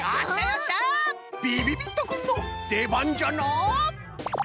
びびびっとくんのでばんじゃな。